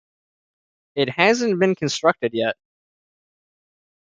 It hasn't been constructed yet.